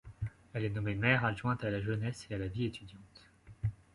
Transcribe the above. Elle est nommée maire adjointe à la jeunesse et à la vie étudiante.